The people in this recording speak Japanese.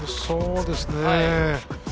そうですね。